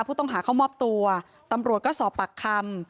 ผู้ต้องหาเข้ามอบตัวตำรวจก็สอบปากคำ